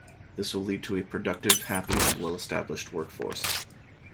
This will lead to a productive, happy, and well established work force.